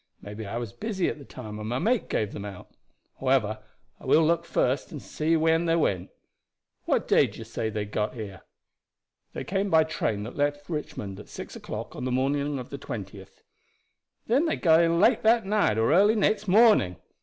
Maybe I was busy at the time, and my mate gave them out. However, I will look first and see when they went. What day do you say they got here?" "They came by the train that left Richmond at six o'clock on the morning of the 20th." "Then they got in late that night or early next morning.